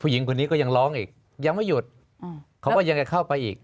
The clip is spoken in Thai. หญิงคนนี้ก็ยังร้องอีกยังไม่หยุดเขาก็ยังจะเข้าไปอีก